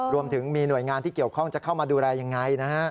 รวมถึงมีหน่วยงานที่เกี่ยวข้องจะเข้ามาดูแลยังไงนะฮะ